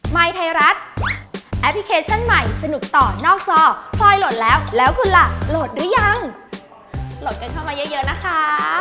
ยไทยรัฐแอปพลิเคชันใหม่สนุกต่อนอกจอพลอยโหลดแล้วแล้วคุณล่ะโหลดหรือยังโหลดกันเข้ามาเยอะเยอะนะคะ